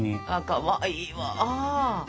かわいいわ。